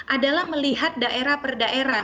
adalah melihat daerah per daerah